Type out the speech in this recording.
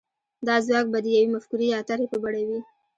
دا ځواک به د يوې مفکورې يا طرحې په بڼه وي.